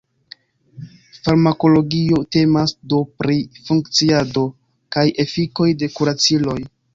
Farmakologio temas do pri funkciado kaj efikoj de kuraciloj.